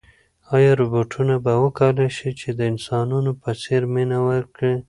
ایا روبوټونه به وکولای شي چې د انسانانو په څېر مینه وکړي؟